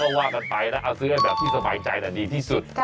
ก็ว่ากันไปนะเอาซื้อให้แบบที่สบายใจแต่ดีที่สุด